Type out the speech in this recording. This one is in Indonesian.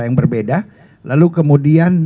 yang berbeda lalu kemudian